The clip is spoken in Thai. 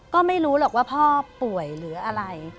ก็ไม่รู้หรอกว่าพ่อป่วยหรืออะไร